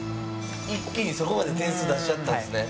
一気にそこまで点数を出しちゃったんですね。